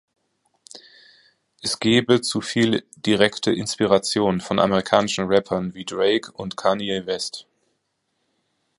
Es gebe zu viel direkte Inspiration von amerikanischen Rappern wie Drake und Kanye West.